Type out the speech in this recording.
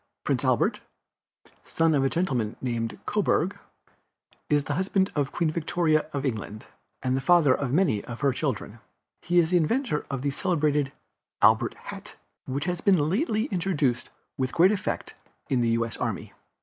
Prince Albert, the son of a gentleman named Coburg, is the husband of Queen Victoria of England, and the father of many of her children. He is the inventor of the celebrated "Albert hat," which has been lately introduced with great effect in the U. S. Army.